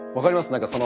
何かその。